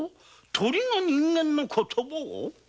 鳥が人間の言葉を？